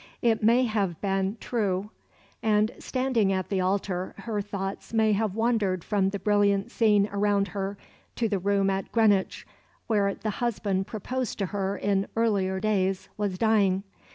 It may have been true; and, standing at the altar, her thoughts may have wandered from the brilliant scene around her to the room at Greenwich, where the husband proposed for her in earlier days was dying.